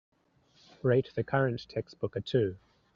Rate the current textbook a two